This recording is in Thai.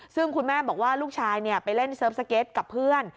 ซึ่งคุณแม่บอกว่าลูกชายไปเล่นเซิร์ฟสเก็ตกับเพื่อน